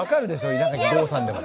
稲垣ゴーさんでも。